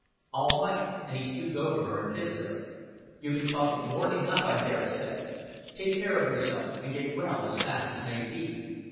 "All right;" and he stooped over her, and kissed her. "You've bin talking more'n enough, I dare say. Take care of yourself, and get well as fast as may be.